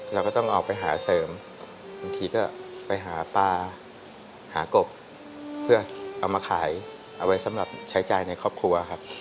เราก็ต้องเอาไปหาเสริมบางทีก็ไปหาปลาหากบเพื่อเอามาขายเอาไว้สำหรับใช้จ่ายในครอบครัวครับ